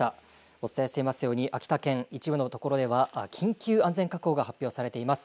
お伝えしていますように秋田県一部のところでは緊急安全確保が発表されています。